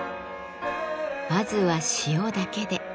まずは塩だけで。